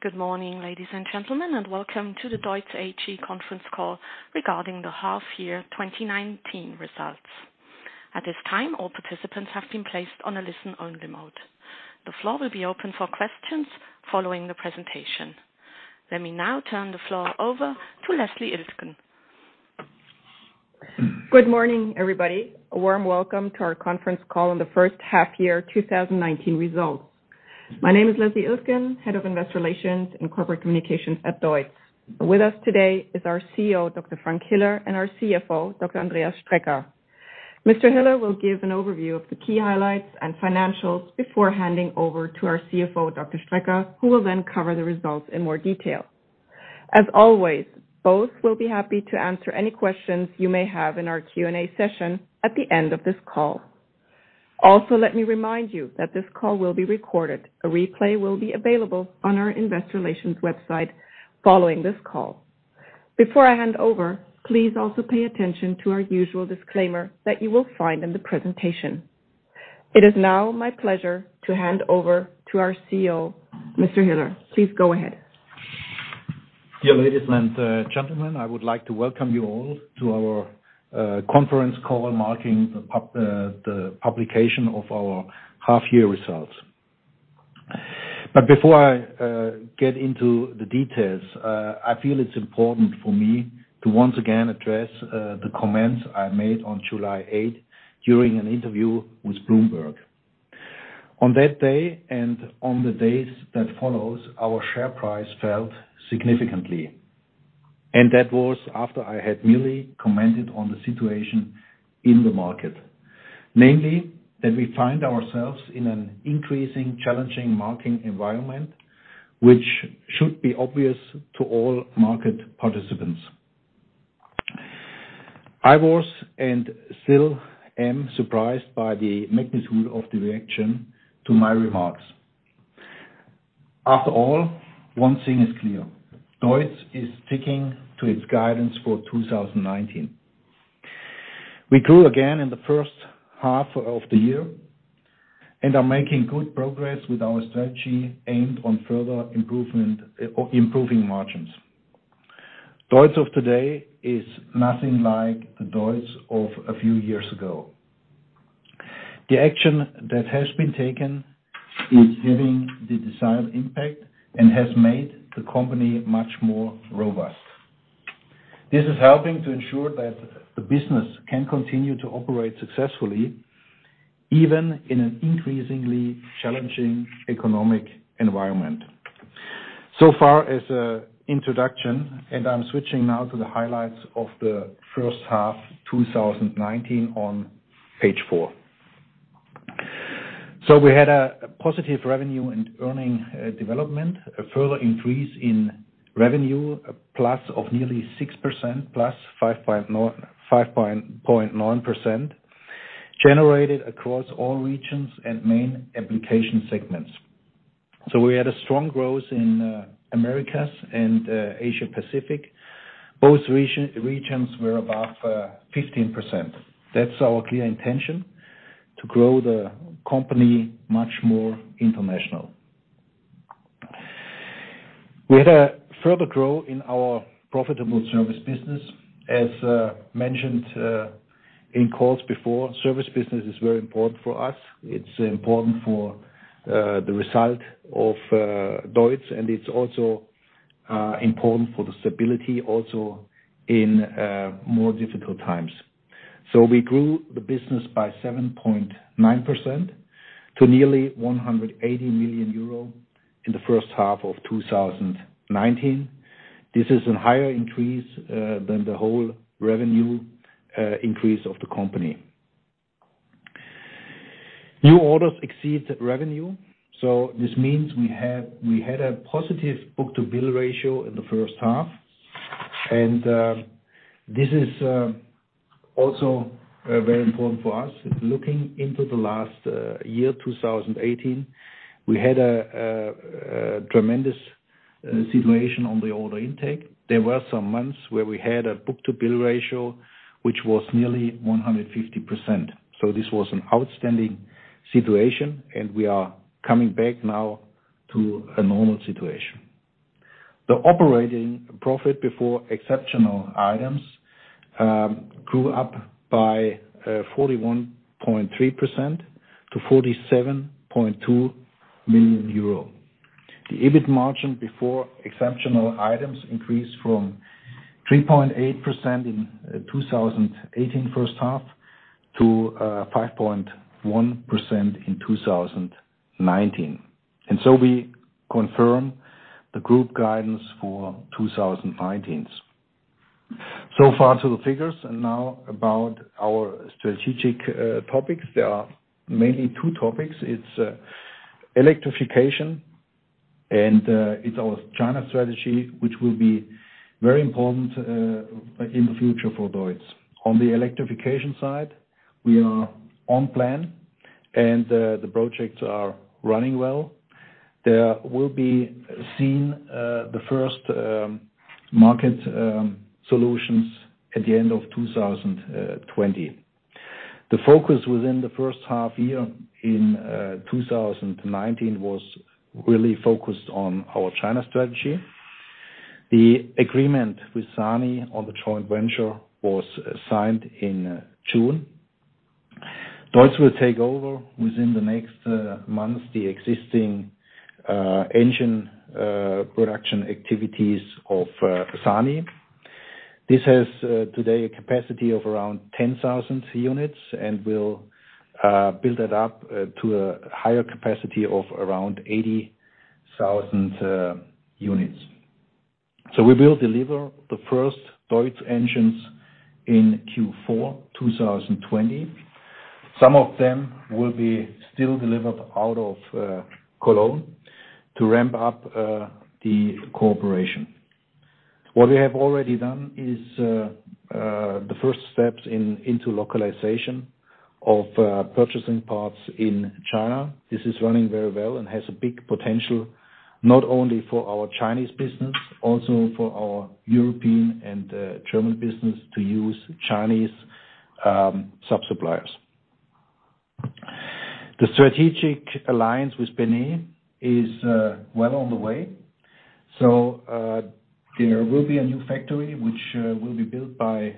Good morning, ladies and gentlemen, and welcome to the DEUTZ AG conference call regarding the half-year 2019 results. At this time, all participants have been placed on a listen-only mode. The floor will be open for questions following the presentation. Let me now turn the floor over to Leslie Iltgen. Good morning, everybody. A warm welcome to our conference call on the first half-year 2019 results. My name is Leslie Iltgen, Head of Investor Relations and Corporate Communications at DEUTZ. With us today is our CEO, Dr. Frank Hiller, and our CFO, Dr. Andreas Strecker. Mr. Hiller will give an overview of the key highlights and financials before handing over to our CFO, Dr. Strecker, who will then cover the results in more detail. As always, both will be happy to answer any questions you may have in our Q&A session at the end of this call. Also, let me remind you that this call will be recorded. A replay will be available on our Investor Relations website following this call. Before I hand over, please also pay attention to our usual disclaimer that you will find in the presentation. It is now my pleasure to hand over to our CEO, Mr. Hiller. Please go ahead. Dear ladies and gentlemen, I would like to welcome you all to our conference call marking the publication of our half-year results. Before I get into the details, I feel it's important for me to once again address the comments I made on July 8 during an interview with Bloomberg. On that day and on the days that followed, our share price fell significantly, and that was after I had merely commented on the situation in the market, namely that we find ourselves in an increasingly challenging market environment, which should be obvious to all market participants. I was and still am surprised by the magnitude of the reaction to my remarks. After all, one thing is clear: DEUTZ is sticking to its guidance for 2019. We grew again in the first half of the year and are making good progress with our strategy aimed at further improving margins. DEUTZ of today is nothing like the DEUTZ of a few years ago. The action that has been taken is having the desired impact and has made the company much more robust. This is helping to ensure that the business can continue to operate successfully even in an increasingly challenging economic environment. As an introduction, I'm switching now to the highlights of the first half 2019 on page four. We had a positive revenue and earning development, a further increase in revenue, a plus of nearly 6%, plus 5.9%, generated across all regions and main application segments. We had strong growth in the Americas and Asia-Pacific. Both regions were above 15%. That's our clear intention: to grow the company much more international. We had further growth in our profitable service business. As mentioned in calls before, service business is very important for us. It's important for the result of DEUTZ, and it's also important for the stability also in more difficult times. We grew the business by 7.9% to nearly 180 million euro in the first half of 2019. This is a higher increase than the whole revenue increase of the company. New orders exceed revenue. This means we had a positive book-to-bill ratio in the first half, and this is also very important for us. Looking into the last year, 2018, we had a tremendous situation on the order intake. There were some months where we had a book-to-bill ratio which was nearly 150%. This was an outstanding situation, and we are coming back now to a normal situation. The operating profit before exceptional items grew up by 41.3% to 47.2 million euro. The EBIT margin before exceptional items increased from 3.8% in the 2018 first half to 5.1% in 2019. We confirm the group guidance for 2019. So far to the figures, and now about our strategic topics. There are mainly two topics. It's electrification, and it's our China strategy, which will be very important in the future for DEUTZ. On the electrification side, we are on plan, and the projects are running well. There will be seen the first market solutions at the end of 2020. The focus within the first half year in 2019 was really focused on our China strategy. The agreement with SANY on the joint venture was signed in June. DEUTZ will take over within the next months the existing engine production activities of SANY. This has today a capacity of around 10,000 units and will build that up to a higher capacity of around 80,000 units. We will deliver the first DEUTZ engines in Q4 2020. Some of them will be still delivered out of Cologne to ramp up the cooperation. What we have already done is the first steps into localization of purchasing parts in China. This is running very well and has a big potential not only for our Chinese business, also for our European and German business to use Chinese sub-suppliers. The strategic alliance with Beinei is well on the way. There will be a new factory which will be built by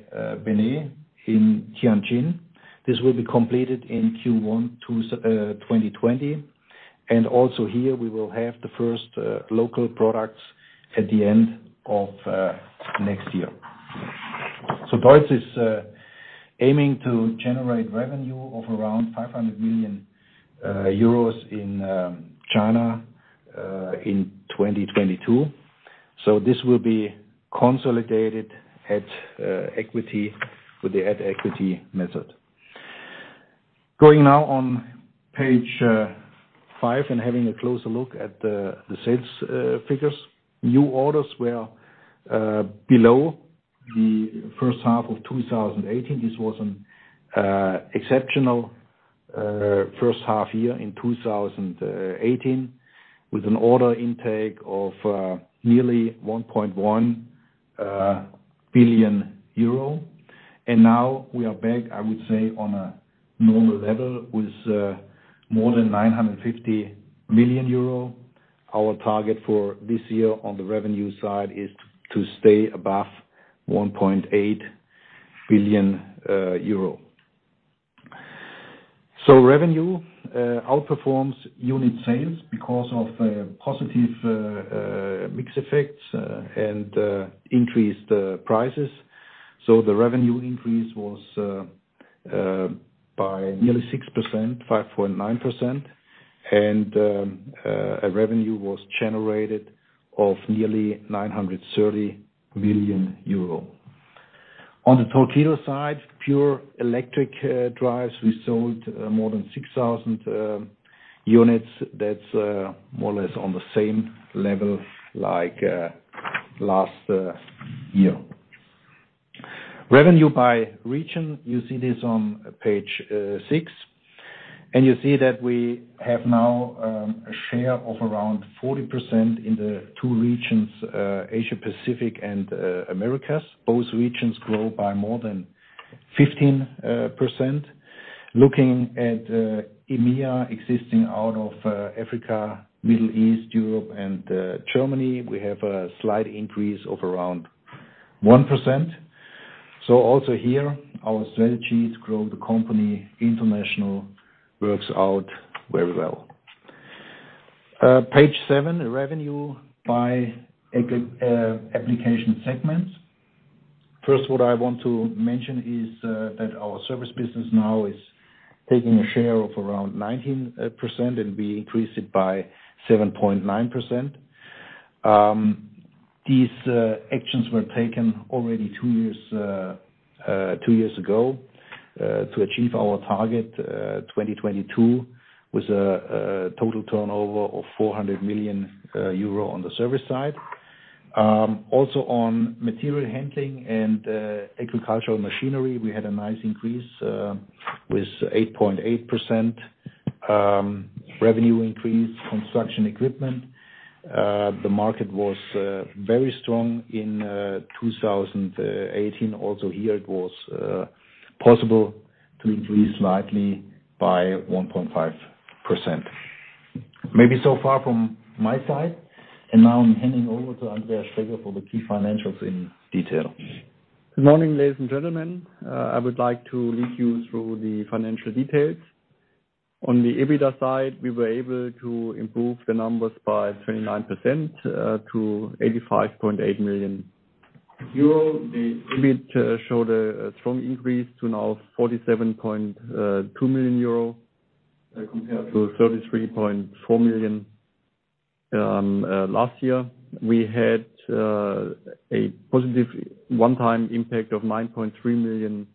Beinei in Tianjin. This will be completed in Q1 2020. Also here, we will have the first local products at the end of next year. DEUTZ is aiming to generate revenue of around 500 million euros in China in 2022. This will be consolidated at equity with the equity method. Going now on page five and having a closer look at the sales figures, new orders were below the first half of 2018. This was an exceptional first half year in 2018 with an order intake of nearly 1.1 billion euro. We are back, I would say, on a normal level with more than 950 million euro. Our target for this year on the revenue side is to stay above EUR 1.8 billion. Revenue outperforms unit sales because of positive mixed effects and increased prices. The revenue increase was by nearly 6%, 5.9%, and revenue was generated of nearly 930 million euro. On the Torqeedo side, pure electric drives, we sold more than 6,000 units. That's more or less on the same level like last year. Revenue by region, you see this on page six, and you see that we have now a share of around 40% in the two regions, Asia-Pacific and Americas. Both regions grow by more than 15%. Looking at EMEA existing out of Africa, Middle East, Europe, and Germany, we have a slight increase of around 1%. Also here, our strategy to grow the company internationally works out very well. Page seven, revenue by application segments. First, what I want to mention is that our service business now is taking a share of around 19%, and we increased it by 7.9%. These actions were taken already two years ago to achieve our target 2022 with a total turnover of 400 million euro on the service side. Also on material handling and agricultural machinery, we had a nice increase with 8.8% revenue increase. Construction equipment, the market was very strong in 2018. Also here, it was possible to increase slightly by 1.5%. Maybe so far from my side, and now I'm handing over to Andreas Strecker for the key financials in detail. Good morning, ladies and gentlemen. I would like to lead you through the financial details. On the EBITDA side, we were able to improve the numbers by 29% to 85.8 million euro. The EBIT showed a strong increase to now 47.2 million euro compared to 33.4 million last year. We had a positive one-time impact of 9.3 million euro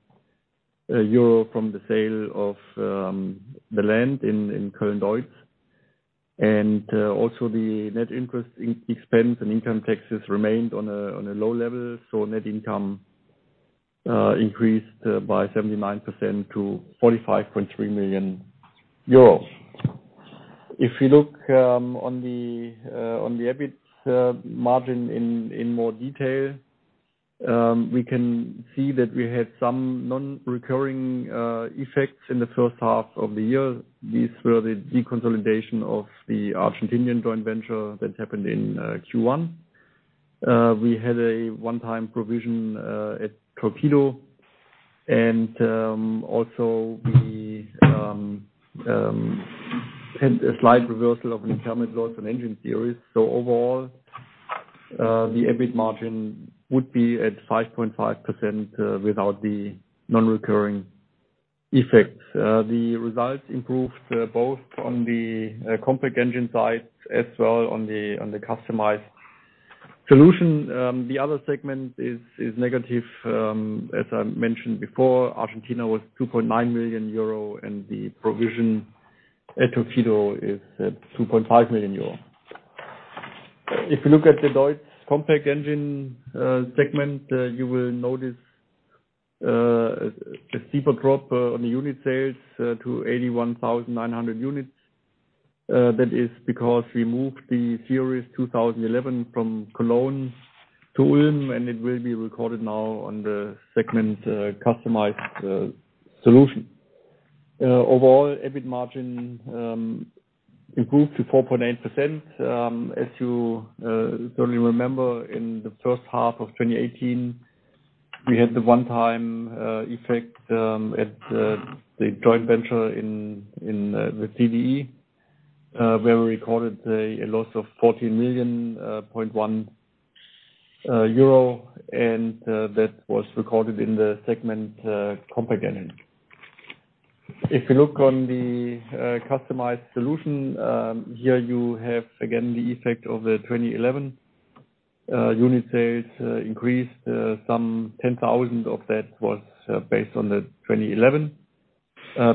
from the sale of the land in Köln-Deutz. Also, the net interest expense and income taxes remained on a low level, so net income increased by 79% to 45.3 million euros. If we look on the EBIT margin in more detail, we can see that we had some non-recurring effects in the first half of the year. These were the deconsolidation of the Argentinian joint venture that happened in Q1. We had a one-time provision at Torqeedo, and also we had a slight reversal of an incumbent loss on engine series. Overall, the EBIT margin would be at 5.5% without the non-recurring effects. The results improved both on the compact engine side as well as on the customized solution. The other segment is negative. As I mentioned before, Argentina was 2.9 million euro, and the provision at Torqeedo is 2.5 million euro. If you look at the DEUTZ compact engine segment, you will notice a steeper drop on the unit sales to 81,900 units. That is because we moved the 2011 series from Cologne to Ulm, and it will be recorded now on the segment customized solution. Overall, EBIT margin improved to 4.8%. As you certainly remember, in the first half of 2018, we had the one-time effect at the joint venture in the CDE where we recorded a loss of 14.1 million, and that was recorded in the segment compact engine. If you look on the customized solution, here you have again the effect of the 2011. Unit sales increased some 10,000 of that was based on the 2011.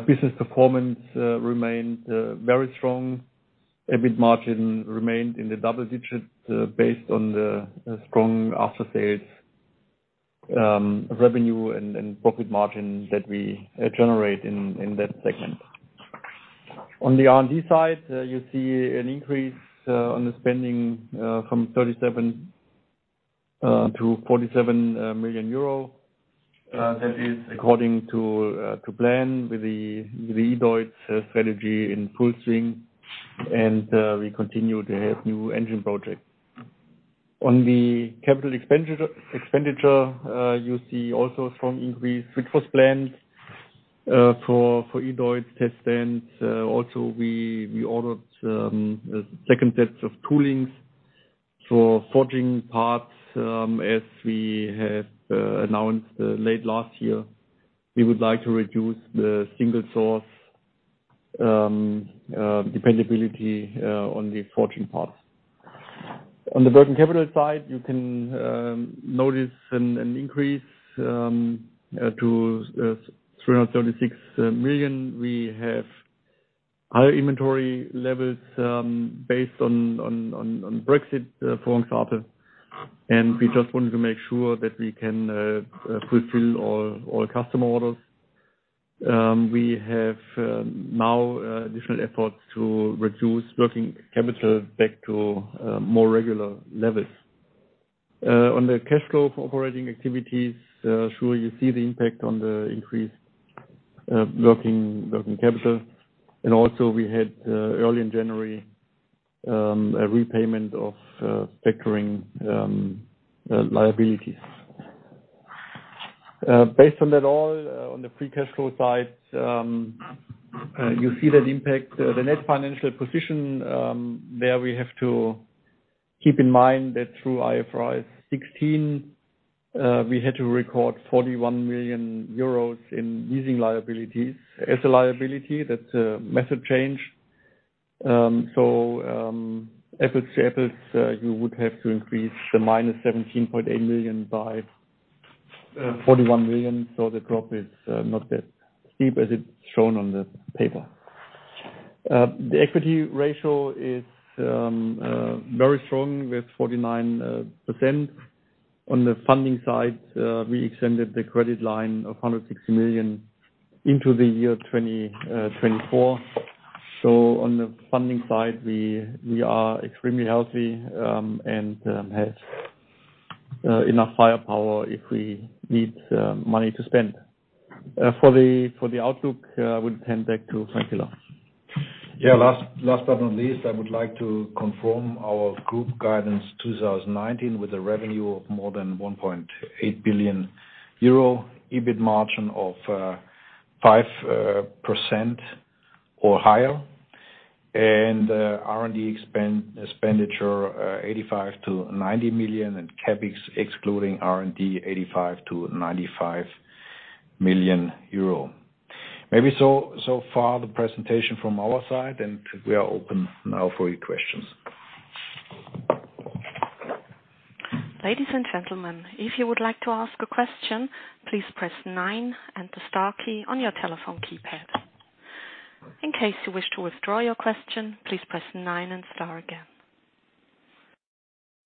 Business performance remained very strong. EBIT margin remained in the double digit based on the strong after-sales revenue and profit margin that we generate in that segment. On the R&D side, you see an increase on the spending from 37 million to 47 million euro. That is according to plan with the E-DEUTZ strategy in full swing, and we continue to have new engine projects. On the capital expenditure, you see also a strong increase, which was planned for E-DEUTZ test stands. Also, we ordered a second set of toolings for forging parts as we have announced late last year. We would like to reduce the single-source dependability on the forging parts. On the working capital side, you can notice an increase to 336 million. We have higher inventory levels based on Brexit, for example, and we just wanted to make sure that we can fulfill all customer orders. We have now additional efforts to reduce working capital back to more regular levels. On the cash flow for operating activities, sure, you see the impact on the increased working capital. Also, we had early in January a repayment of factoring liabilities. Based on that all, on the free cash flow side, you see that impact. The net financial position there we have to keep in mind that through IFRS 16, we had to record 41 million euros in leasing liabilities as a liability. That's a method change. Apples to apples, you would have to increase the minus 17.8 million by 41 million. The drop is not that steep as it's shown on the paper. The equity ratio is very strong with 49%. On the funding side, we extended the credit line of 160 million into the year 2024. On the funding side, we are extremely healthy and have enough firepower if we need money to spend. For the outlook, I would hand back to Frank Hiller. Yeah. Last but not least, I would like to confirm our group guidance 2019 with a revenue of more than 1.8 billion euro, EBIT margin of 5% or higher, and R&D expenditure 85 million-90 million and CapEx excluding R&D 85 million-95 million euro. Maybe so far the presentation from our side, and we are open now for your questions. Ladies and gentlemen, if you would like to ask a question, please press nine and the star key on your telephone keypad. In case you wish to withdraw your question, please press nine and star again.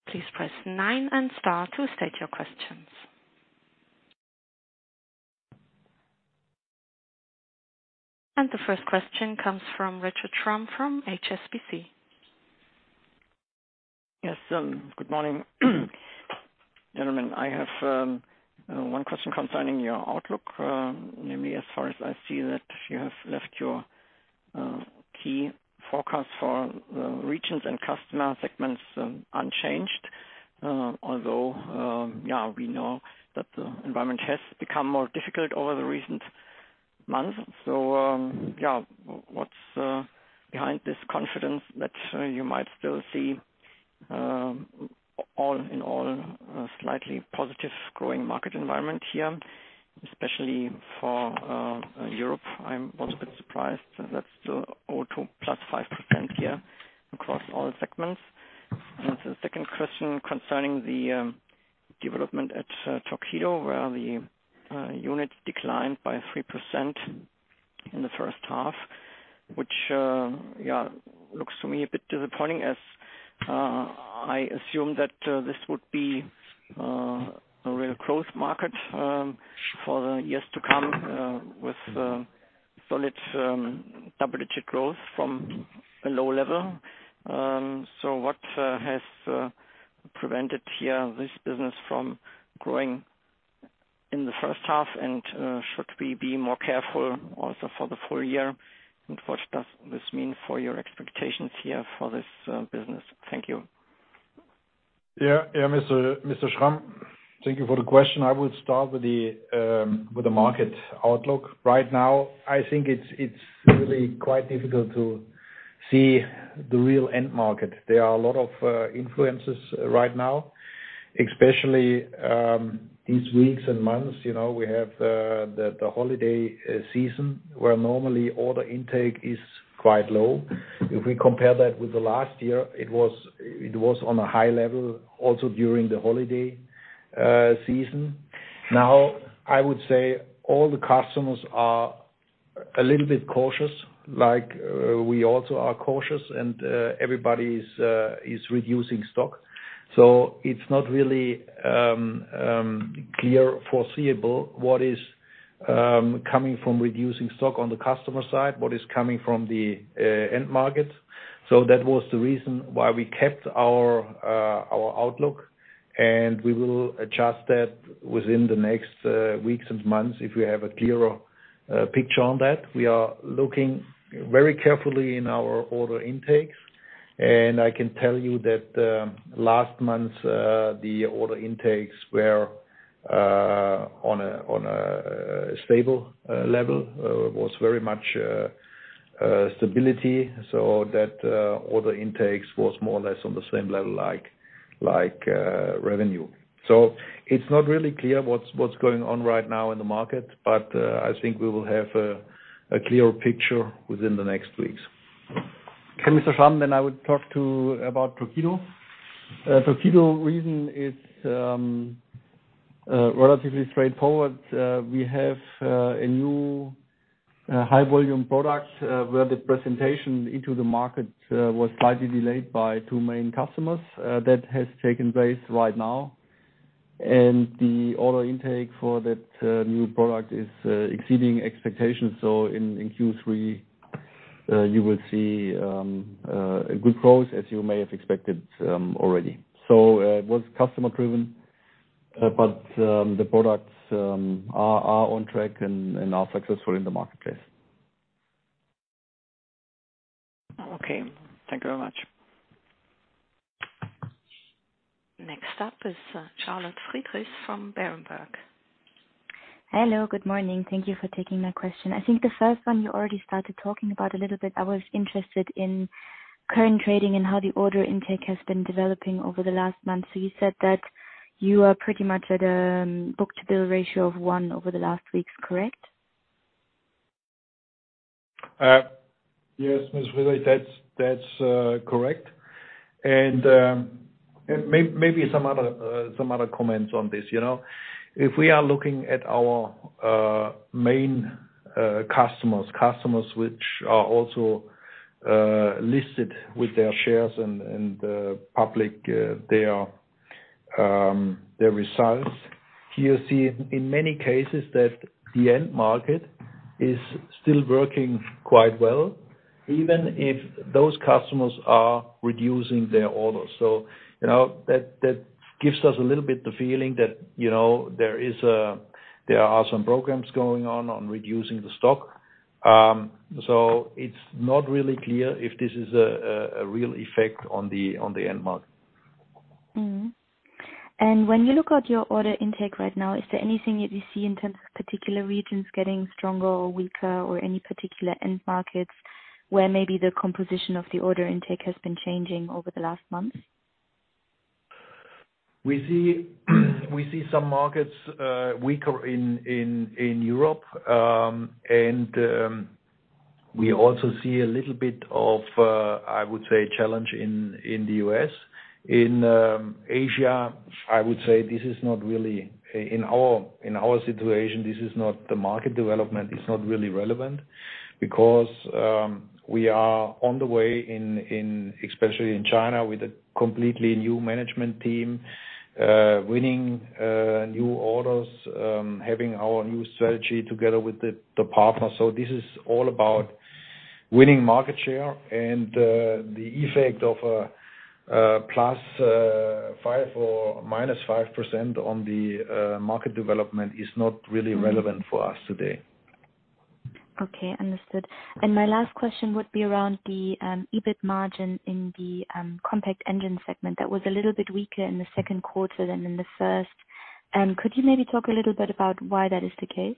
Please press nine and star to state your questions. The first question comes from Richard Trump from HSBC. Yes. Good morning, gentlemen. I have one question concerning your outlook, namely as far as I see that you have left your key forecast for regions and customer segments unchanged, although, yeah, we know that the environment has become more difficult over the recent months. Yeah, what's behind this confidence that you might still see all in all a slightly positive growing market environment here, especially for Europe? I'm also a bit surprised that's still 0%-5% here across all segments. The second question concerning the development at Torqeedo where the units declined by 3% in the first half, which, yeah, looks to me a bit disappointing as I assume that this would be a real growth market for the years to come with solid double-digit growth from a low level. What has prevented here this business from growing in the first half, and should we be more careful also for the full year? What does this mean for your expectations here for this business? Thank you. Yeah. Yeah, Mr. Trump, thank you for the question. I would start with the market outlook. Right now, I think it's really quite difficult to see the real end market. There are a lot of influences right now, especially these weeks and months. We have the holiday season where normally order intake is quite low. If we compare that with the last year, it was on a high level also during the holiday season. Now, I would say all the customers are a little bit cautious, like we also are cautious, and everybody is reducing stock. It is not really clear or foreseeable what is coming from reducing stock on the customer side, what is coming from the end market. That was the reason why we kept our outlook, and we will adjust that within the next weeks and months if we have a clearer picture on that. We are looking very carefully in our order intakes, and I can tell you that last month the order intakes were on a stable level. It was very much stability. That order intakes was more or less on the same level like revenue. It is not really clear what is going on right now in the market, but I think we will have a clearer picture within the next weeks. Okay, Mr. Trump, then I would talk to you about Torqeedo. The Torqeedo reason is relatively straightforward. We have a new high-volume product where the presentation into the market was slightly delayed by two main customers. That has taken place right now, and the order intake for that new product is exceeding expectations. In Q3, you will see a good growth as you may have expected already. It was customer-driven, but the products are on track and are successful in the marketplace. Okay. Thank you very much. Next up is Charlotte Friedrichs from Berenberg. Hello. Good morning. Thank you for taking my question. I think the first one you already started talking about a little bit. I was interested in current trading and how the order intake has been developing over the last month. You said that you are pretty much at a book-to-bill ratio of one over the last weeks, correct? Yes, Ms. [Mulupets], that's correct. Maybe some other comments on this. If we are looking at our main customers, customers which are also listed with their shares and public their results, you see in many cases that the end market is still working quite well even if those customers are reducing their orders. That gives us a little bit the feeling that there are some programs going on on reducing the stock. It is not really clear if this is a real effect on the end market. When you look at your order intake right now, is there anything that you see in terms of particular regions getting stronger or weaker or any particular end markets where maybe the composition of the order intake has been changing over the last month? We see some markets weaker in Europe, and we also see a little bit of, I would say, challenge in the U.S. In Asia, I would say this is not really in our situation, this is not the market development, it's not really relevant because we are on the way, especially in China, with a completely new management team, winning new orders, having our new strategy together with the partners. This is all about winning market share, and the effect of a +5% or -5% on the market development is not really relevant for us today. Okay. Understood. My last question would be around the EBIT margin in the compact engine segment that was a little bit weaker in the second quarter than in the first. Could you maybe talk a little bit about why that is the case?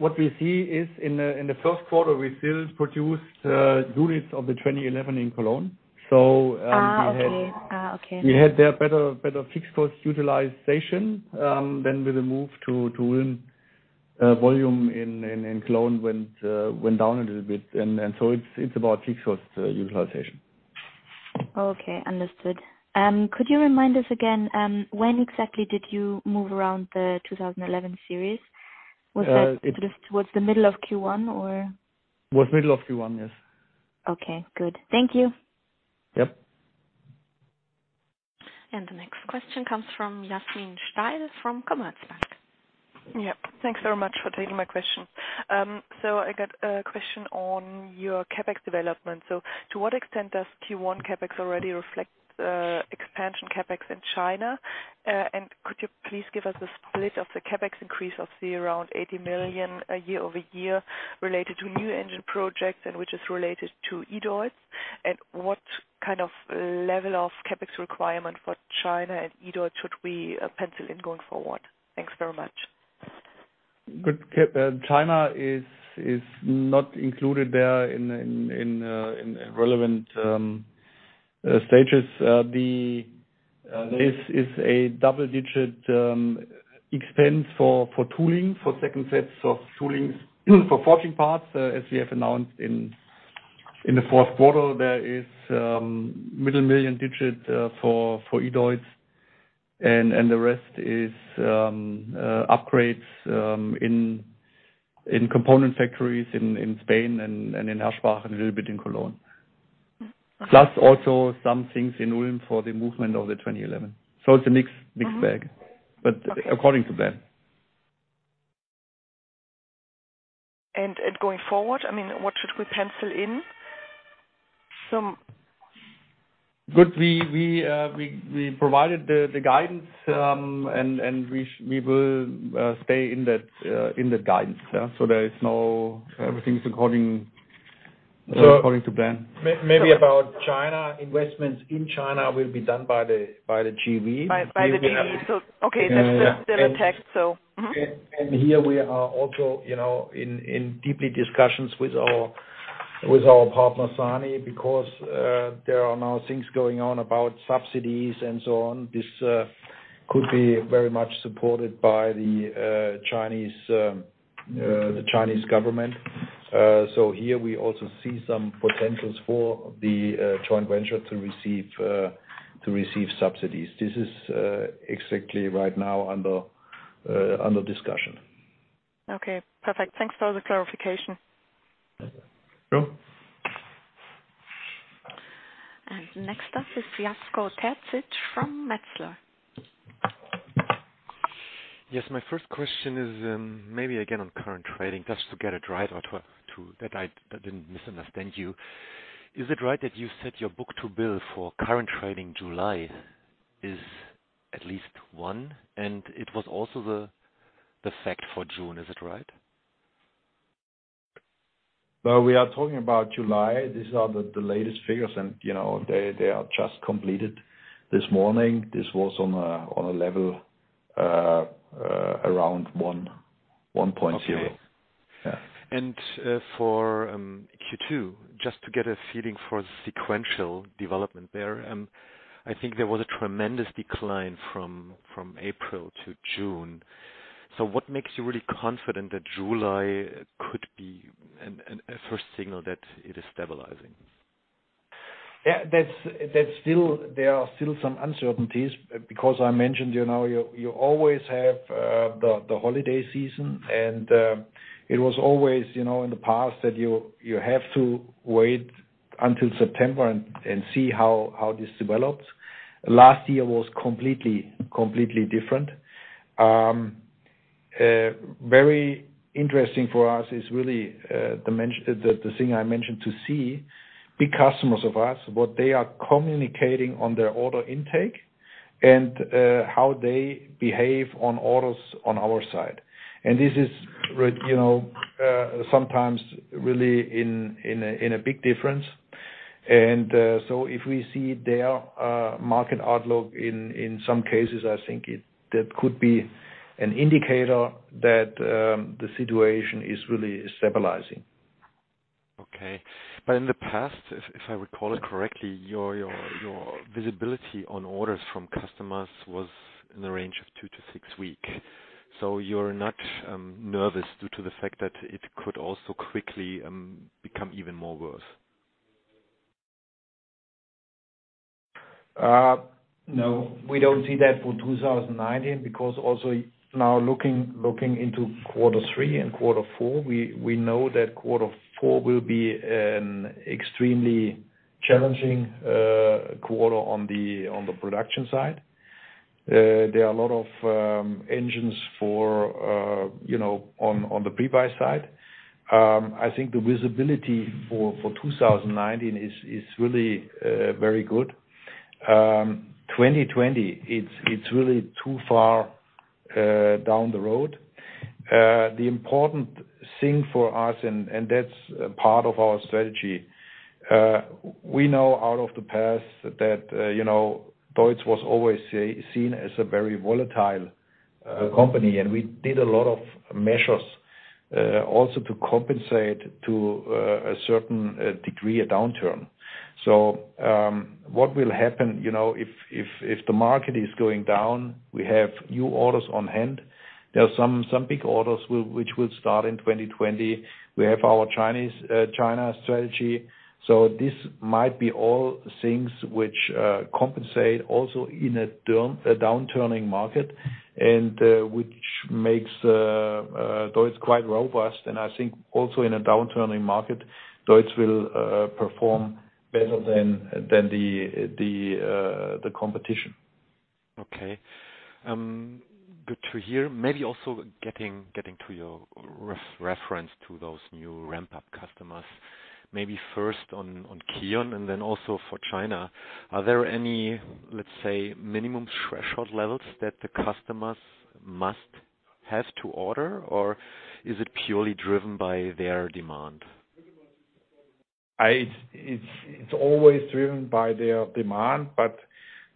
What we see is in the first quarter, we still produced units of the 2011 in Cologne. We had better fixed cost utilization than with the move to volume in Cologne went down a little bit. It is about fixed cost utilization. Okay. Understood. Could you remind us again when exactly did you move around the 2011 series? Was that towards the middle of Q1 or? It was middle of Q1, yes. Okay. Good. Thank you. Yep. The next question comes from Yasmin Steil from Commerzbank. Yeah. Thanks very much for taking my question. I got a question on your CapEx development. To what extent does Q1 CapEx already reflect expansion CapEx in China? Could you please give us a split of the CapEx increase of around 80 million year-over-year related to new engine projects and which is related to E-DEUTZ? What kind of level of CapEx requirement for China and E-DEUTZ should we pencil in going forward? Thanks very much. Good. China is not included there in relevant stages. There is a double-digit expense for tooling, for second sets of toolings for forging parts as we have announced in the fourth quarter. There is middle million digit for E-DEUTZ, and the rest is upgrades in component factories in Spain and in Herschbach and a little bit in Cologne. Plus also some things in Ulm for the movement of the 2011. It is a mixed bag, but according to plan. Going forward, I mean, what should we pencil in? Good. We provided the guidance, and we will stay in that guidance. There is no everything is according to plan. Maybe about China, investments in China will be done by the JV. By the JV. Okay. That's still a tech, so. We are also in deep discussions with our partner, SANY, because there are now things going on about subsidies and so on. This could be very much supported by the Chinese government. Here we also see some potential for the joint venture to receive subsidies. This is exactly right now under discussion. Okay. Perfect. Thanks for the clarification. Next up is Jasko Terzic from Metzler. Yes. My first question is maybe again on current trading, just to get it right or to that I didn't misunderstand you. Is it right that you said your book-to-bill for current trading July is at least one, and it was also the fact for June? Is it right? We are talking about July. These are the latest figures, and they are just completed this morning. This was on a level around 1.0. Okay. For Q2, just to get a feeling for the sequential development there, I think there was a tremendous decline from April to June. What makes you really confident that July could be a first signal that it is stabilizing? Yeah. There are still some uncertainties because I mentioned you always have the holiday season, and it was always in the past that you have to wait until September and see how this develops. Last year was completely different. Very interesting for us is really the thing I mentioned to see big customers of ours, what they are communicating on their order intake, and how they behave on orders on our side. This is sometimes really in a big difference. If we see their market outlook in some cases, I think that could be an indicator that the situation is really stabilizing. Okay. In the past, if I recall it correctly, your visibility on orders from customers was in the range of two to six weeks. You are not nervous due to the fact that it could also quickly become even more worse? No. We don't see that for 2019 because also now looking into quarter three and quarter four, we know that quarter four will be an extremely challenging quarter on the production side. There are a lot of engines on the prebuy side. I think the visibility for 2019 is really very good. 2020, it's really too far down the road. The important thing for us, and that's part of our strategy, we know out of the past that DEUTZ was always seen as a very volatile company, and we did a lot of measures also to compensate to a certain degree a downturn. What will happen if the market is going down, we have new orders on hand. There are some big orders which will start in 2020. We have our China strategy. This might be all things which compensate also in a downturning market and which makes DEUTZ quite robust. I think also in a downturning market, DEUTZ will perform better than the competition. Okay. Good to hear. Maybe also getting to your reference to those new ramp-up customers, maybe first on KION and then also for China, are there any, let's say, minimum threshold levels that the customers must have to order, or is it purely driven by their demand? It's always driven by their demand, but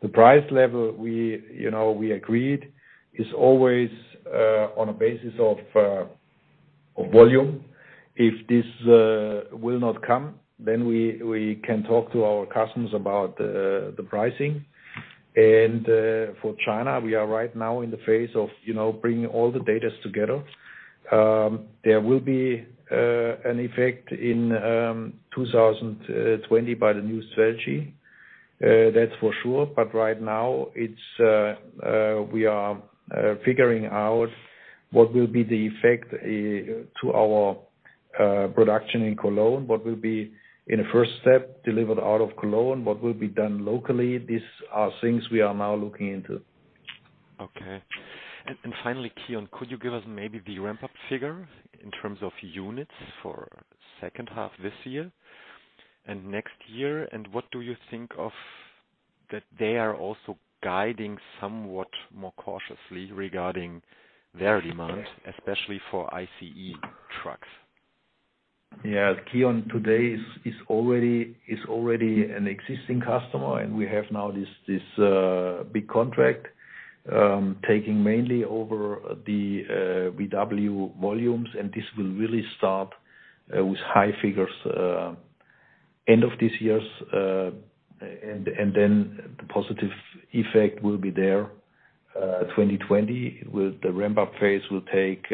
the price level we agreed is always on a basis of volume. If this will not come, we can talk to our customers about the pricing. For China, we are right now in the phase of bringing all the data together. There will be an effect in 2020 by the new strategy. That's for sure. Right now, we are figuring out what will be the effect to our production in Cologne, what will be in a first step delivered out of Cologne, what will be done locally. These are things we are now looking into. Okay. Finally, KION, could you give us maybe the ramp-up figure in terms of units for the second half this year and next year? What do you think of that they are also guiding somewhat more cautiously regarding their demand, especially for ICE trucks? Yeah. KION today is already an existing customer, and we have now this big contract taking mainly over the VW volumes, and this will really start with high figures end of this year. The positive effect will be there 2020. The ramp-up phase will take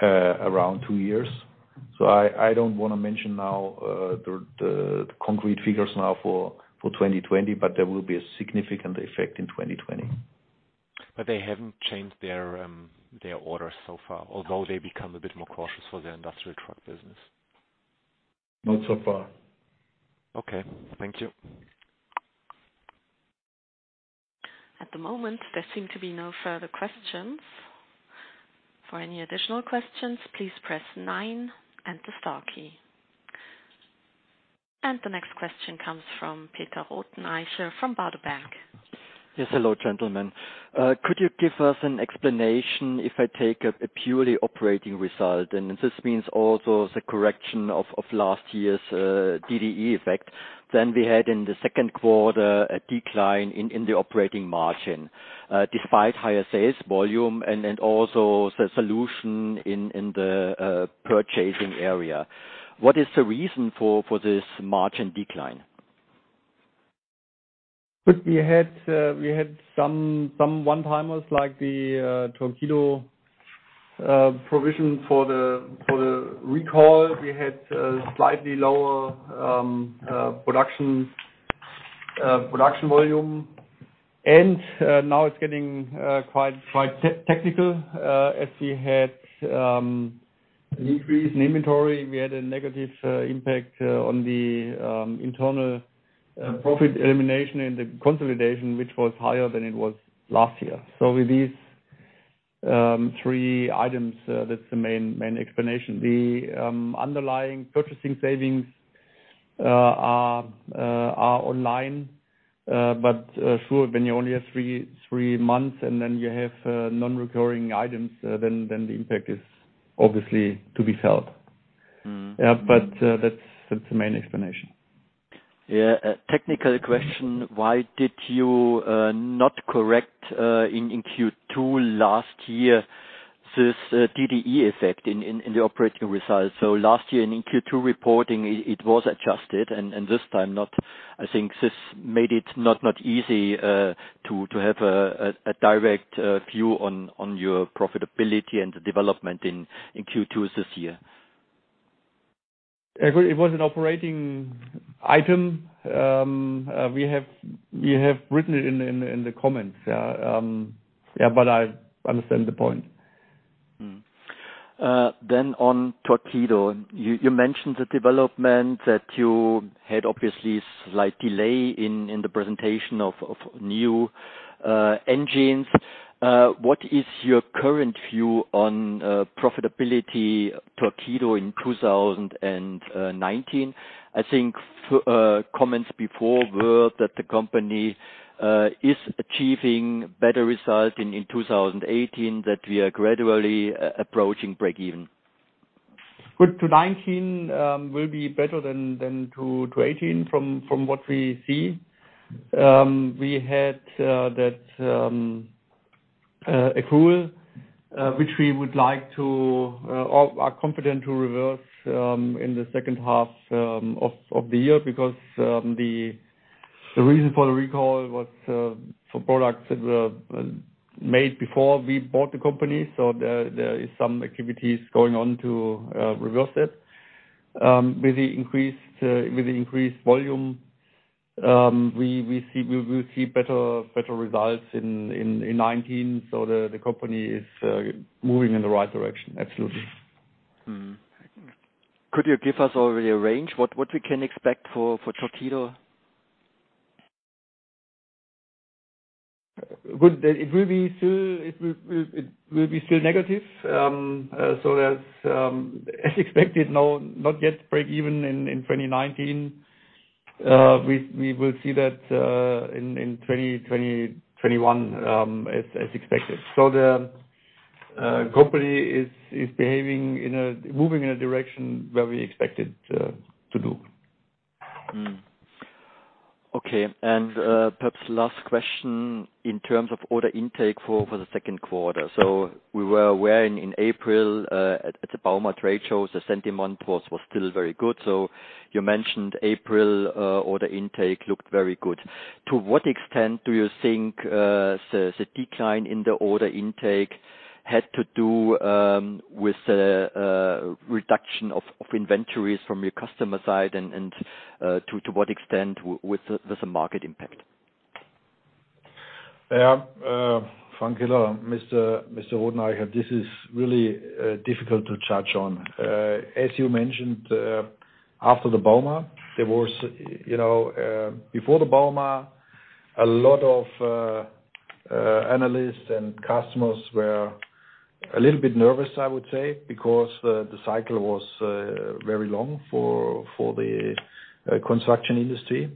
around two years. I do not want to mention now the concrete figures now for 2020, but there will be a significant effect in 2020. They haven't changed their orders so far, although they become a bit more cautious for the industrial truck business? Not so far. Okay. Thank you. At the moment, there seem to be no further questions. For any additional questions, please press nine and the star key. The next question comes from Peter Rothenaicher from Baader Bank. Yes. Hello, gentlemen. Could you give us an explanation if I take a purely operating result? And this means also the correction of last year's DDE effect. Then we had in the second quarter a decline in the operating margin despite higher sales volume and also the solution in the purchasing area. What is the reason for this margin decline? Good. We had some one-timers like the Torqeedo provision for the recall. We had slightly lower production volume. Now it's getting quite technical as we had an increase in inventory. We had a negative impact on the internal profit elimination and the consolidation, which was higher than it was last year. With these three items, that's the main explanation. The underlying purchasing savings are online, but sure, when you only have three months and then you have non-recurring items, the impact is obviously to be felt. Yeah. That's the main explanation. Yeah. Technical question. Why did you not correct in Q2 last year this DDE effect in the operating result? Last year in Q2 reporting, it was adjusted, and this time not. I think this made it not easy to have a direct view on your profitability and the development in Q2 this year. It was an operating item. We have written it in the comments. Yeah. I understand the point. On Torqeedo, you mentioned the development that you had obviously slight delay in the presentation of new engines. What is your current view on profitability Torqeedo in 2019? I think comments before were that the company is achieving better results in 2018, that we are gradually approaching break-even. Good. 2019 will be better than 2018 from what we see. We had that accrual, which we would like to or are confident to reverse in the second half of the year because the reason for the recall was for products that were made before we bought the company. There is some activities going on to reverse it. With the increased volume, we will see better results in 2019. The company is moving in the right direction. Absolutely. Could you give us already a range what we can expect for Torqeedo? Good. It will be still negative. As expected, not yet break-even in 2019. We will see that in 2021 as expected. The company is moving in a direction where we expected to do. Okay. Perhaps last question in terms of order intake for the second quarter. We were aware in April at the Bauma Trade Show, the sentiment was still very good. You mentioned April order intake looked very good. To what extent do you think the decline in the order intake had to do with the reduction of inventories from your customer side and to what extent with the market impact? Yeah. Frank Hiller, Mr. Rothenaicher, this is really difficult to judge on. As you mentioned, after the Bauma, there was before the Bauma, a lot of analysts and customers were a little bit nervous, I would say, because the cycle was very long for the construction industry.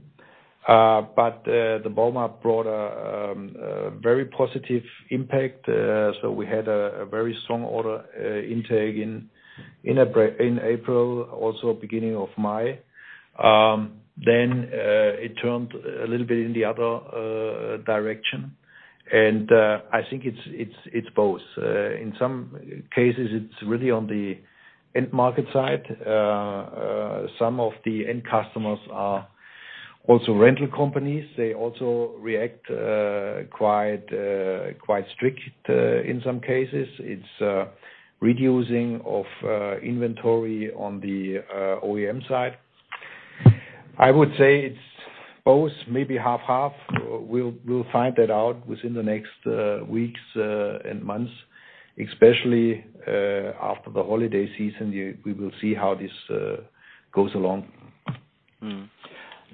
The Bauma brought a very positive impact. We had a very strong order intake in April, also beginning of May. It turned a little bit in the other direction. I think it's both. In some cases, it's really on the end market side. Some of the end customers are also rental companies. They also react quite strict in some cases. It's reducing of inventory on the OEM side. I would say it's both, maybe half-half. We'll find that out within the next weeks and months, especially after the holiday season. We will see how this goes along.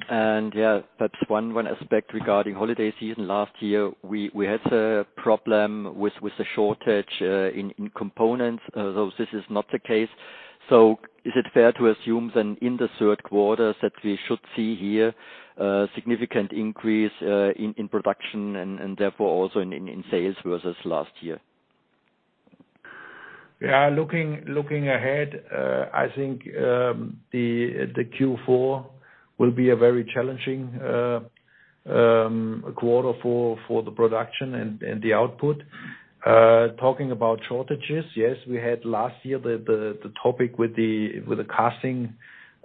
Yeah, perhaps one aspect regarding holiday season last year, we had a problem with the shortage in components. This is not the case. Is it fair to assume then in the third quarter that we should see here a significant increase in production and therefore also in sales versus last year? Yeah. Looking ahead, I think the Q4 will be a very challenging quarter for the production and the output. Talking about shortages, yes, we had last year the topic with the casting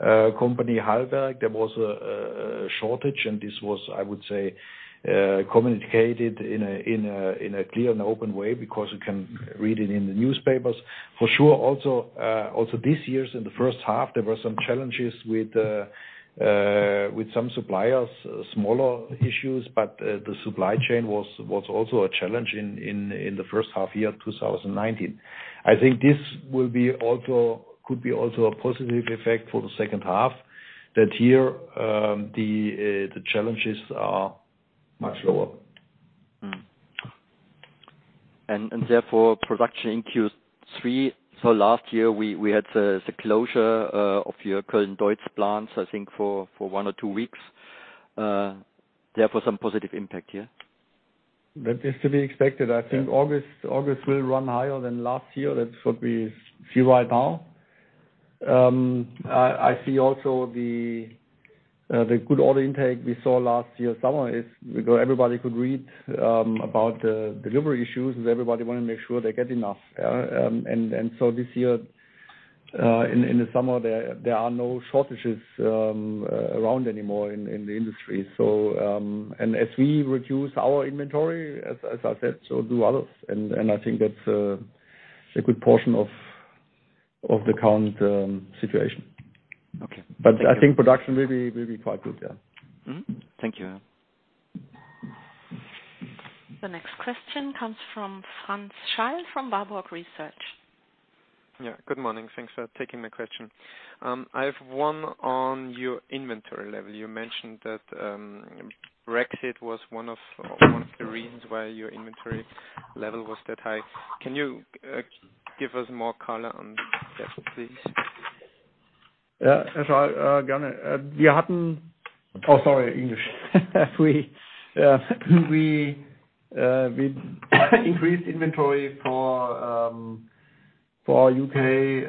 company Halberg Guss, there was a shortage, and this was, I would say, communicated in a clear and open way because you can read it in the newspapers. For sure. Also this year, in the first half, there were some challenges with some suppliers, smaller issues, but the supply chain was also a challenge in the first half year of 2019. I think this could be also a positive effect for the second half that here the challenges are much lower. Therefore, production in Q3. Last year, we had the closure of your current DEUTZ plants, I think, for one or two weeks. Therefore, some positive impact here. That is to be expected. I think August will run higher than last year. That's what we see right now. I see also the good order intake we saw last year's summer is because everybody could read about the delivery issues, and everybody wanted to make sure they get enough. This year, in the summer, there are no shortages around anymore in the industry. As we reduce our inventory, as I said, so do others. I think that's a good portion of the current situation. I think production will be quite good, yeah. Thank you. The next question comes from Franz Schall from Warburg Research. Yeah. Good morning. Thanks for taking my question. I have one on your inventory level. You mentioned that Brexit was one of the reasons why your inventory level was that high. Can you give us more color on that, please? Yeah. Oh, sorry. English. We increased inventory for U.K.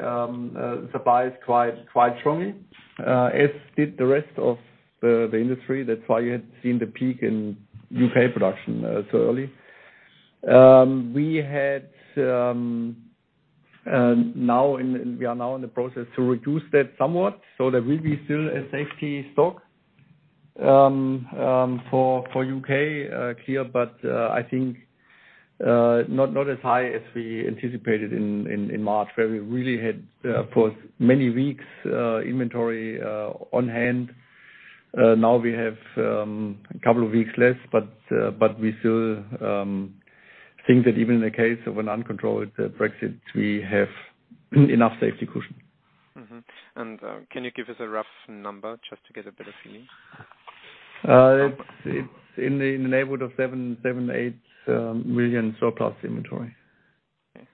supplies quite strongly, as did the rest of the industry. That is why you had seen the peak in U.K. production so early. Now we are now in the process to reduce that somewhat. There will still be a safety stock for U.K. here, but I think not as high as we anticipated in March, where we really had for many weeks inventory on hand. Now we have a couple of weeks less, but we still think that even in the case of an uncontrolled Brexit, we have enough safety cushion. Can you give us a rough number just to get a better feeling? It's in the neighborhood of 7 million-8 million surplus inventory. Okay.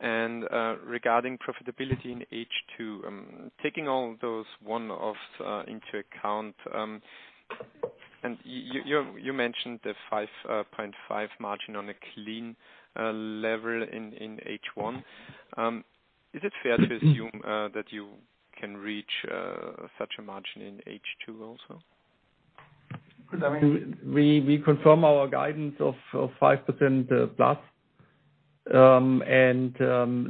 Thank you. Regarding profitability in H2, taking all those one-offs into account, and you mentioned the 5.5% margin on a clean level in H1. Is it fair to assume that you can reach such a margin in H2 also? I mean, we confirm our guidance of 5%+.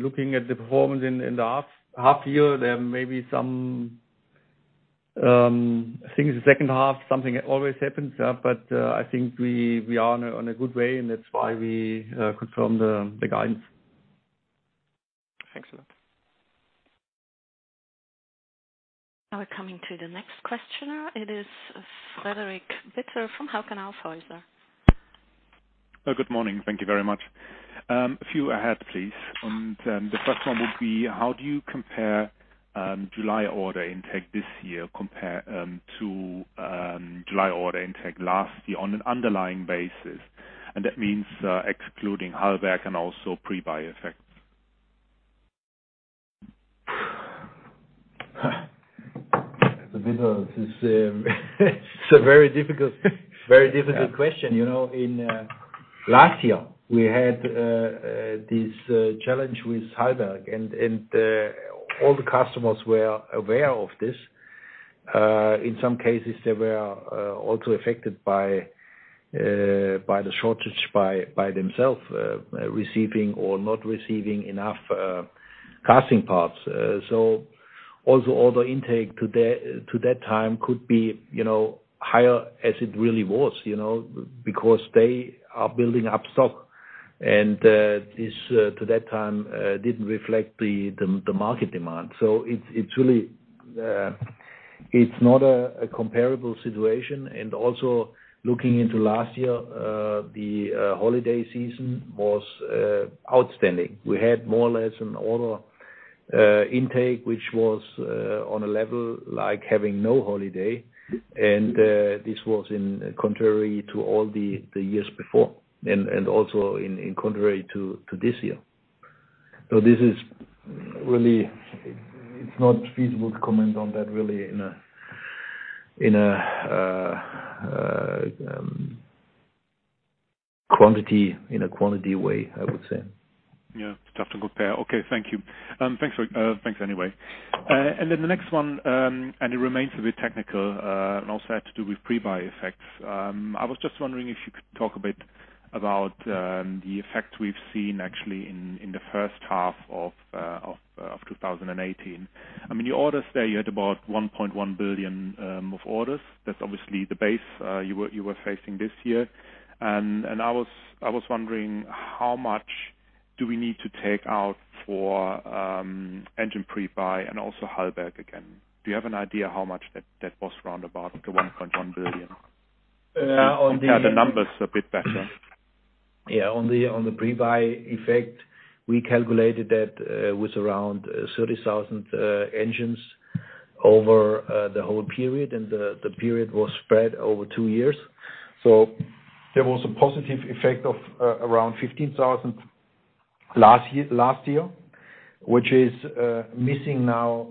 Looking at the performance in the half year, there may be some things in the second half. Something always happens, but I think we are on a good way, and that's why we confirm the guidance. Thanks a lot. Now we're coming to the next questioner. It is Frederik Bitter from Hauck & Aufhäuser. Good morning. Thank you very much. A few ahead, please. The first one would be, how do you compare July order intake this year to July order intake last year on an underlying basis? That means excluding Halberg and also pre-buy effect. It's a very difficult question. In last year, we had this challenge with Halberg, and all the customers were aware of this. In some cases, they were also affected by the shortage by themselves, receiving or not receiving enough casting parts. Also, order intake to that time could be higher as it really was because they are building up stock. This to that time did not reflect the market demand. It is not a comparable situation. Also, looking into last year, the holiday season was outstanding. We had more or less an order intake, which was on a level like having no holiday. This was in contrary to all the years before and also in contrary to this year. It is really not feasible to comment on that really in a quantity way, I would say. Yeah. It's tough to compare. Okay. Thank you. Thanks anyway. The next one, it remains a bit technical, and also had to do with pre-buy effects. I was just wondering if you could talk a bit about the effect we've seen actually in the first half of 2018. I mean, your orders there, you had about 1.1 billion of orders. That's obviously the base you were facing this year. I was wondering how much do we need to take out for engine pre-buy and also Halberg again? Do you have an idea how much that was round about the 1.1 billion? I have the numbers a bit better. Yeah. On the pre-buy effect, we calculated that with around 30,000 engines over the whole period, and the period was spread over two years. There was a positive effect of around 15,000 last year, which is missing now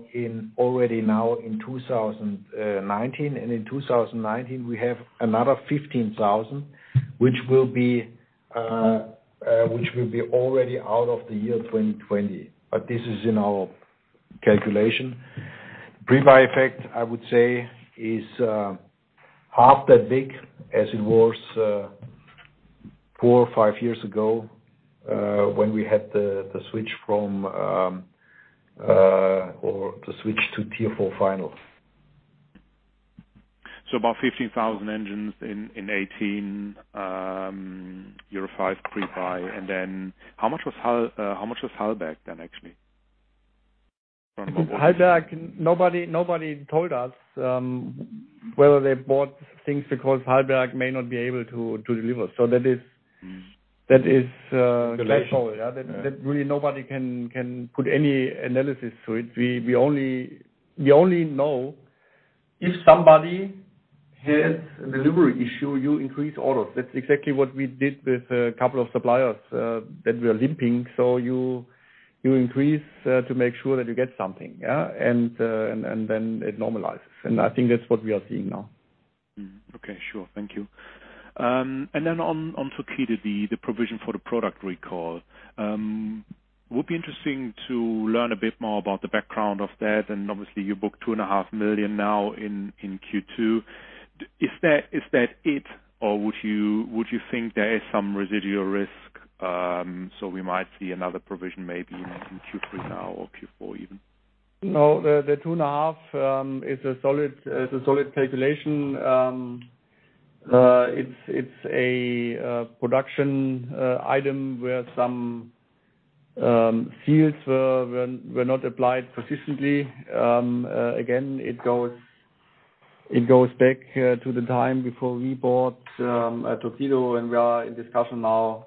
already now in 2019. In 2019, we have another 15,000, which will be already out of the year 2020. This is in our calculation. Pre-buy effect, I would say, is half that big as it was four or five years ago when we had the switch from or the switch to TFO final. About 15,000 engines in 2018, year of five pre-buy. And then how much was Halberg then actually? Halberg, nobody told us whether they bought things because Halberg may not be able to deliver. That is the case. The late. Yeah. That really nobody can put any analysis to it. We only know if somebody has a delivery issue, you increase orders. That is exactly what we did with a couple of suppliers that were limping. You increase to make sure that you get something, yeah? It normalizes. I think that is what we are seeing now. Okay. Sure. Thank you. Then on Torqeedo, the provision for the product recall, it would be interesting to learn a bit more about the background of that. Obviously, you booked 2.5 million now in Q2. Is that it, or would you think there is some residual risk so we might see another provision maybe in Q3 now or Q4 even? No. The 2.5 is a solid calculation. It's a production item where some seals were not applied consistently. Again, it goes back to the time before we bought Torqeedo, and we are in discussion now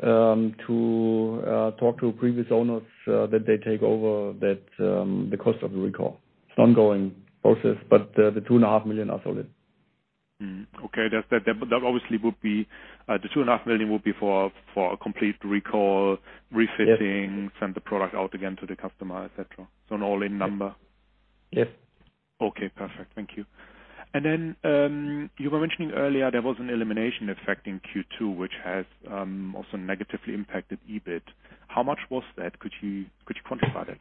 to talk to previous owners that they take over the cost of the recall. It's an ongoing process, but the 2.5 million are solid. Okay. That obviously would be the 2.5 million would be for a complete recall, refitting, send the product out again to the customer, etc. So an all-in number. Yes. Okay. Perfect. Thank you. You were mentioning earlier there was an elimination effect in Q2, which has also negatively impacted EBIT. How much was that? Could you quantify that?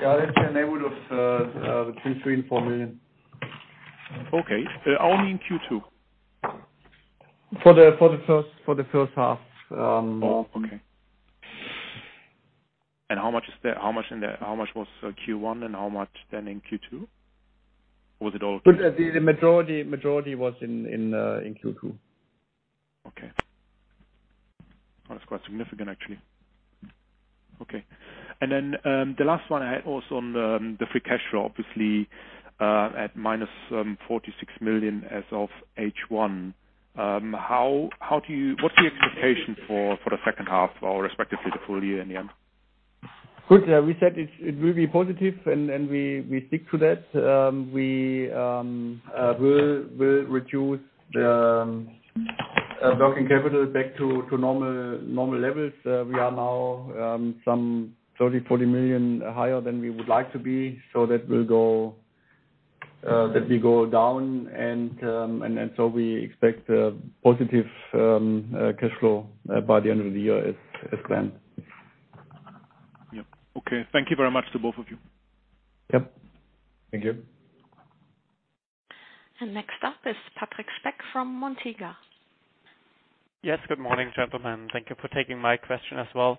Yeah. It's in the neighborhood of between 3 and 4 million. Okay. Only in Q2? For the first half. Oh, okay. How much in that? How much was Q1, and how much then in Q2? Or was it all? The majority was in Q2. Okay. That's quite significant, actually. Okay. The last one I had also on the free cash flow, obviously at -46 million as of H1. What's the expectation for the second half or respectively the full year in the end? Good. We said it will be positive, and we stick to that. We will reduce the blocking capital back to normal levels. We are now some 30 million-40 million higher than we would like to be. That will go down, and we expect positive cash flow by the end of the year as planned. Yeah. Okay. Thank you very much to both of you. Yep. Thank you. Next up is Patrick Speck from Montega. Yes. Good morning, gentlemen. Thank you for taking my question as well.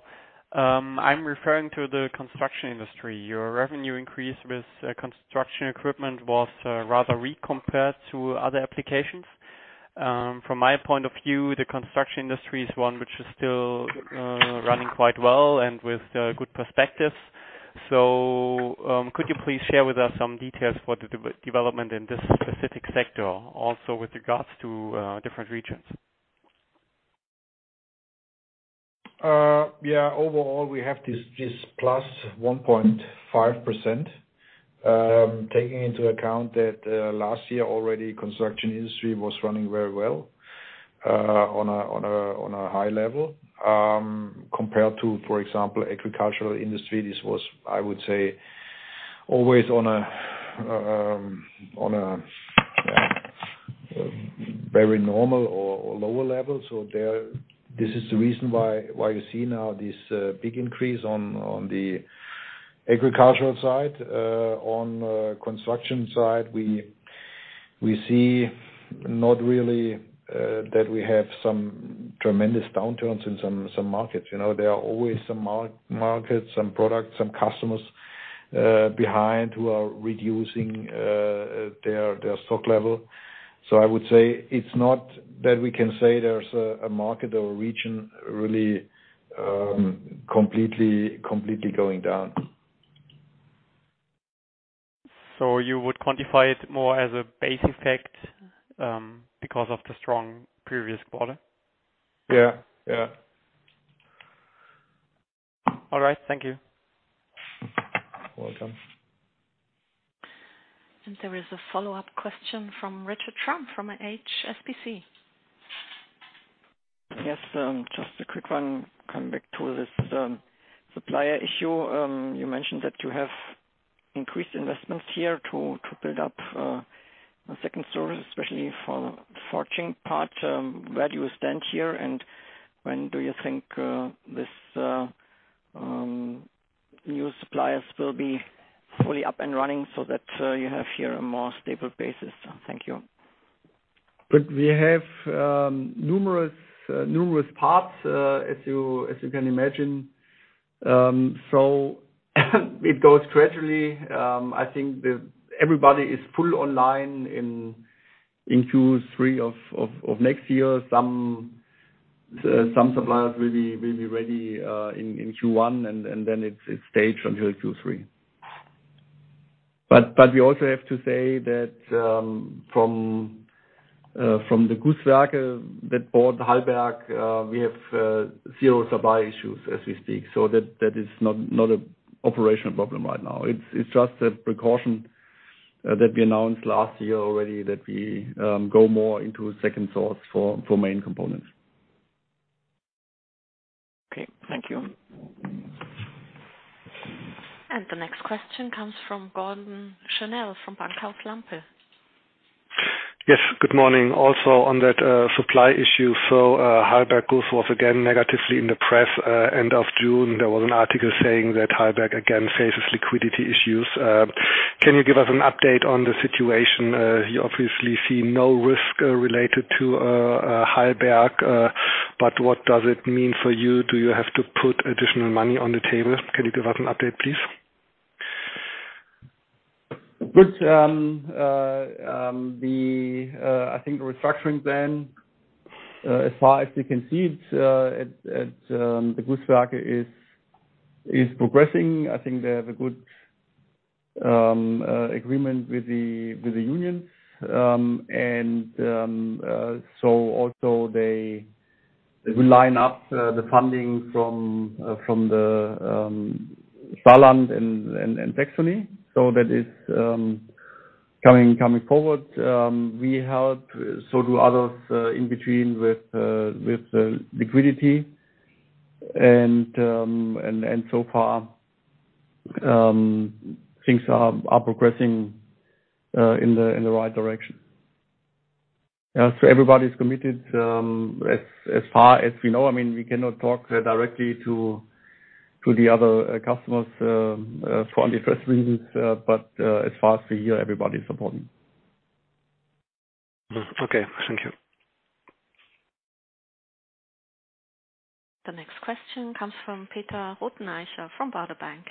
I'm referring to the construction industry. Your revenue increase with construction equipment was rather weak compared to other applications. From my point of view, the construction industry is one which is still running quite well and with good perspectives. Could you please share with us some details for the development in this specific sector, also with regards to different regions? Yeah. Overall, we have this plus 1.5%, taking into account that last year already construction industry was running very well on a high level compared to, for example, agricultural industry. This was, I would say, always on a very normal or lower level. This is the reason why you see now this big increase on the agricultural side. On construction side, we see not really that we have some tremendous downturns in some markets. There are always some markets, some products, some customers behind who are reducing their stock level. I would say it's not that we can say there's a market or a region really completely going down. You would quantify it more as a base effect because of the strong previous quarter? Yeah. Yeah. All right. Thank you. You're welcome. There is a follow-up question from Richard Trump from HSBC. Yes. Just a quick one. Coming back to this supplier issue, you mentioned that you have increased investments here to build up a second source, especially for the forging part. Where do you stand here, and when do you think these new suppliers will be fully up and running so that you have here a more stable basis? Thank you. We have numerous parts, as you can imagine. It goes gradually. I think everybody is fully online in Q3 of next year. Some suppliers will be ready in Q1, and then it is staged until Q3. We also have to say that from the Gusswerk that bought Halberg, we have zero supply issues as we speak. That is not an operational problem right now. It is just a precaution that we announced last year already that we go more into second source for main components. Okay. Thank you. The next question comes from Gordon Schnell from Bankhaus Lampe. Yes. Good morning. Also on that supply issue, Halberg Guss was again negatively in the press end of June. There was an article saying that Halberg again faces liquidity issues. Can you give us an update on the situation? You obviously see no risk related to Halberg, but what does it mean for you? Do you have to put additional money on the table? Can you give us an update, please? Good. I think the restructuring plan, as far as we can see, at the Gusswerk is progressing. I think they have a good agreement with the unions. They will line up the funding from the Saarland and Saxony. That is coming forward. We help, so do others in between with liquidity. So far, things are progressing in the right direction. Yeah. Everybody's committed as far as we know. I mean, we cannot talk directly to the other customers for uninterested reasons, but as far as we hear, everybody's supporting. Okay. Thank you. The next question comes from Peter Rothenaicher from Baader Bank.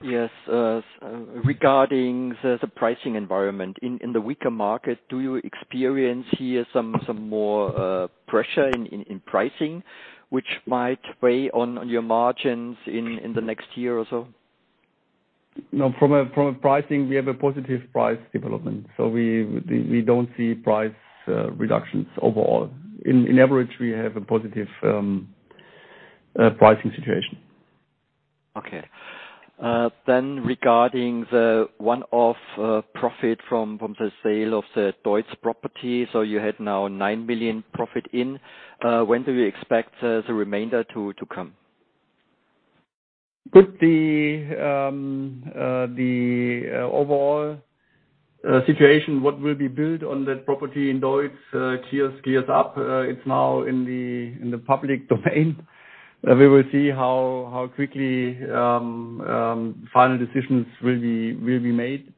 Yes. Regarding the pricing environment, in the weaker market, do you experience here some more pressure in pricing, which might weigh on your margins in the next year or so? No. From a pricing, we have a positive price development. We do not see price reductions overall. In average, we have a positive pricing situation. Okay. Then regarding the one-off profit from the sale of the DEUTZ property, you had now 9 million profit in. When do you expect the remainder to come? Good. The overall situation, what will be built on that property in DEUTZ gears up. It's now in the public domain. We will see how quickly final decisions will be made.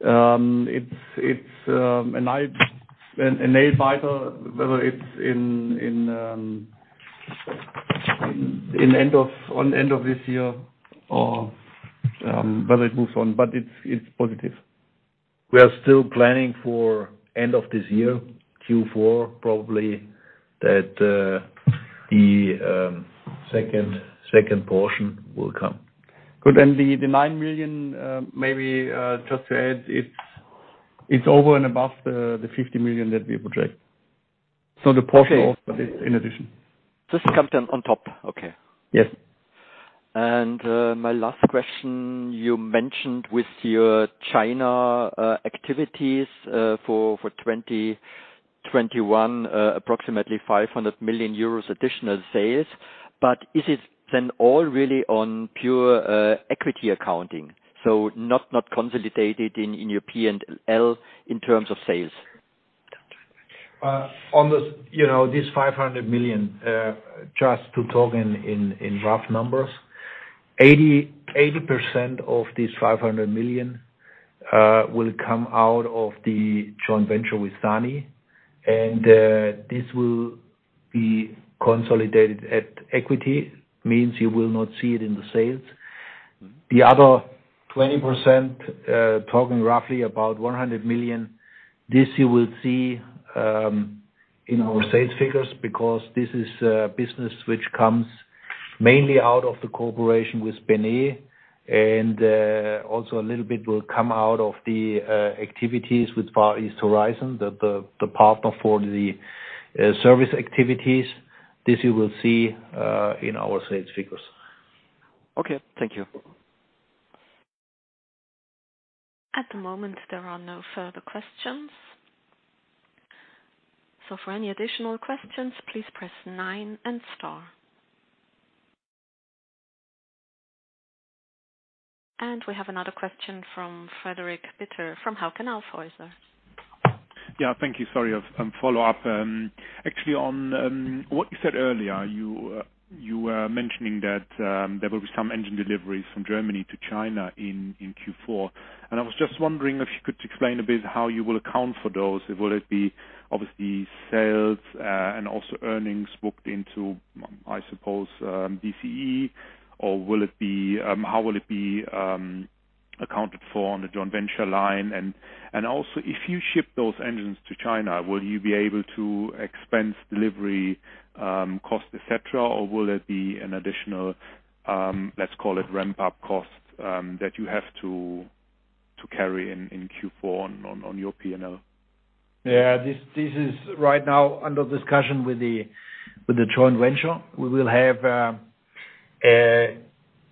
It's a nail-biter, whether it's in the end of this year or whether it moves on, but it's positive. We are still planning for end of this year, Q4, probably that the second portion will come. Good. The 9 million, maybe just to add, is over and above the 50 million that we project. The portion of it is in addition. Just something on top. Okay. Yes. My last question, you mentioned with your China activities for 2021, approximately 500 million euros additional sales. Is it then all really on pure equity accounting, so not consolidated in European L in terms of sales? On these 500 million, just to talk in rough numbers, 80% of these 500 million will come out of the joint venture with SANY, and this will be consolidated at equity. Means you will not see it in the sales. The other 20%, talking roughly about 100 million, this you will see in our sales figures because this is a business which comes mainly out of the cooperation with Beinei, and also a little bit will come out of the activities with Far East Horizon, the partner for the service activities. This you will see in our sales figures. Okay. Thank you. At the moment, there are no further questions. For any additional questions, please press nine and star. We have another question from Frederik Bitter from Hauck & Aufhäuser. Yeah. Thank you. Sorry. Follow-up. Actually, on what you said earlier, you were mentioning that there will be some engine deliveries from Germany to China in Q4. I was just wondering if you could explain a bit how you will account for those. Will it be obviously sales and also earnings booked into, I suppose, DCE, or will it be how will it be accounted for on the joint venture line? Also, if you ship those engines to China, will you be able to expense delivery cost, etc., or will there be an additional, let's call it, ramp-up cost that you have to carry in Q4 on your P&L? Yeah. This is right now under discussion with the joint venture. We will have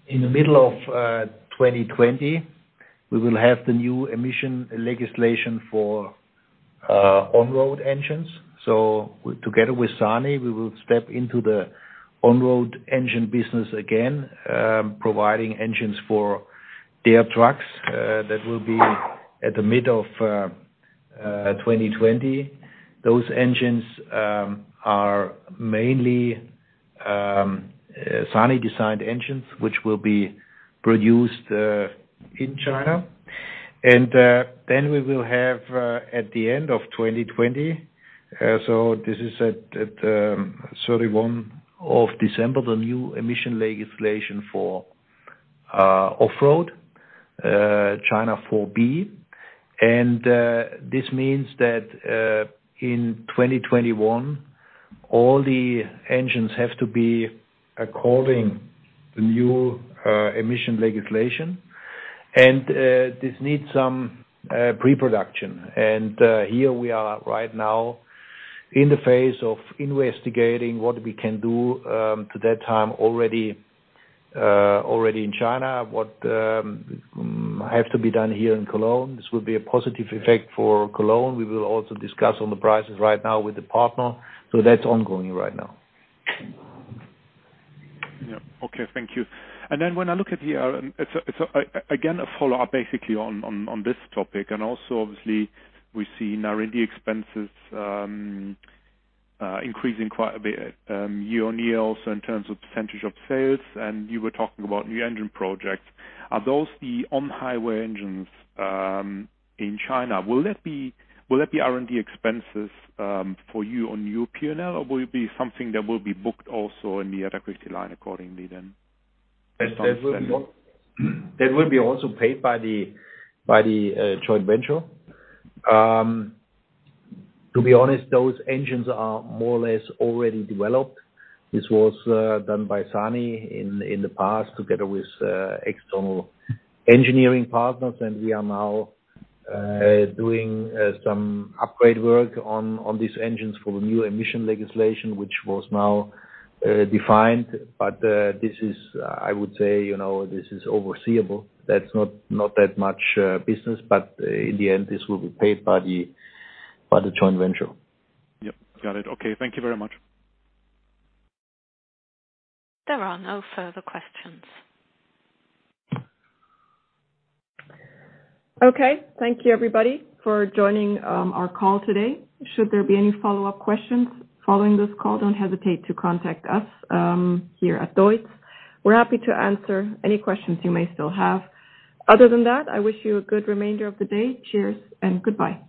in the middle of 2020, we will have the new emission legislation for on-road engines. Together with SANY, we will step into the on-road engine business again, providing engines for their trucks. That will be at the mid of 2020. Those engines are mainly SANY-designed engines, which will be produced in China. We will have at the end of 2020, so this is at 31 of December, the new emission legislation for off-road, China 4B. This means that in 2021, all the engines have to be according to the new emission legislation, and this needs some pre-production. Here we are right now in the phase of investigating what we can do to that time already in China, what has to be done here in Cologne. This will be a positive effect for Cologne. We will also discuss the prices right now with the partner. That is ongoing right now. Yeah. Okay. Thank you. When I look at here, it's again a follow-up basically on this topic. Also, obviously, we see now the expenses increasing quite a bit year on year, also in terms of percentage of sales. You were talking about new engine projects. Are those the on-highway engines in China? Will that be R&D expenses for you on your P&L, or will it be something that will be booked also in the other equity line accordingly then? That will be also paid by the joint venture. To be honest, those engines are more or less already developed. This was done by SANY in the past together with external engineering partners, and we are now doing some upgrade work on these engines for the new emission legislation, which was now defined. This is, I would say, this is overseeable. That's not that much business, but in the end, this will be paid by the joint venture. Yep. Got it. Okay. Thank you very much. There are no further questions. Okay. Thank you, everybody, for joining our call today. Should there be any follow-up questions following this call, don't hesitate to contact us here at DEUTZ. We're happy to answer any questions you may still have. Other than that, I wish you a good remainder of the day. Cheers and goodbye.